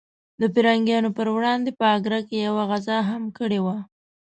د پرنګیانو پر وړاندې په اګره کې یوه غزا هم کړې وه.